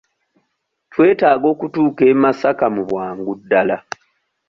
Twetaaga okutuuka e Masaka mu bwangu ddala